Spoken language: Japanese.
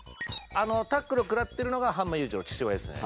タックルをくらってるのが範馬勇次郎父親ですね。